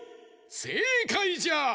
せいかいじゃ！